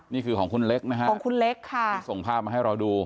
นี่คือของคุณเล็กค์ส่งภาพมาให้เราดู